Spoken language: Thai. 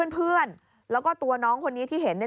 เพื่อนแล้วก็ตัวน้องคนนี้ที่เห็น